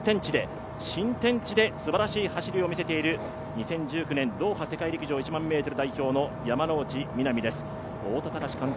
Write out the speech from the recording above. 新天地ですばらしい走りを見せている２０１９年ドーハ世界陸上１００００ｍ代表の山ノ内みなみです。